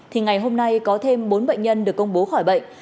thì ngày hôm nay có thêm bốn bệnh nhân được công bố khỏi bệnh